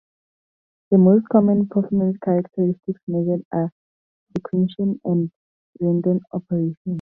The most common performance characteristics measured are sequential and random operations.